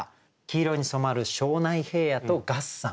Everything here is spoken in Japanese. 黄色に染まる庄内平野と月山。